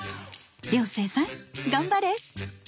涼星さん頑張れ！